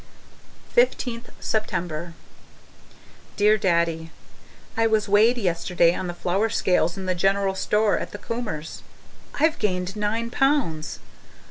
15th September Dear Daddy, I was weighed yesterday on the flour scales in the general store at the Comers. I've gained nine pounds!